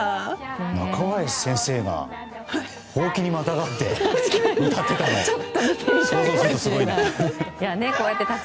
中林先生がほうきにまたがって歌ってたの。